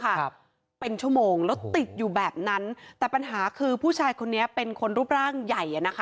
ครับเป็นชั่วโมงแล้วติดอยู่แบบนั้นแต่ปัญหาคือผู้ชายคนนี้เป็นคนรูปร่างใหญ่อ่ะนะคะ